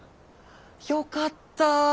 よかった。